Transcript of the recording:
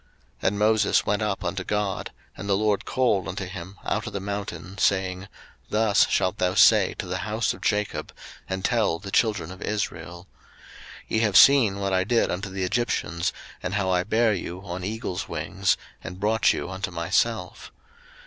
02:019:003 And Moses went up unto God, and the LORD called unto him out of the mountain, saying, Thus shalt thou say to the house of Jacob, and tell the children of Israel; 02:019:004 Ye have seen what I did unto the Egyptians, and how I bare you on eagles' wings, and brought you unto myself.